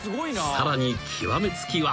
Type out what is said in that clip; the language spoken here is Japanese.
［さらに極め付きは］